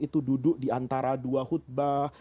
itu duduk diantara dua khutbah